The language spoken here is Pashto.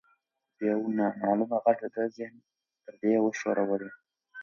یو نامعلومه غږ د ده د ذهن پردې وښورولې.